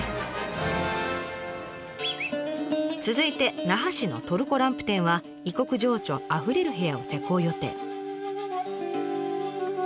続いて那覇市のトルコランプ店は異国情緒あふれる部屋を施工予定。